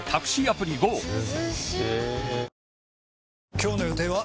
今日の予定は？